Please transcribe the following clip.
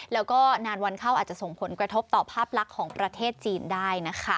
แล้วก็นานวันเข้าอาจจะส่งผลกระทบต่อภาพลักษณ์ของประเทศจีนได้นะคะ